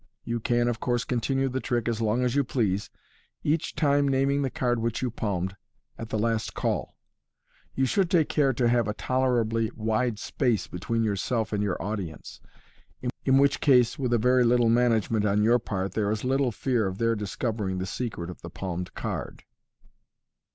You can, of courser continue the trick as long as you please, each time naming the card which you palmed at the last call. You should take care to have a tolerably wide space between yourself and your audience, in which case, with a very little management on your part, there is little fear of their discovering the secret of the palmed card.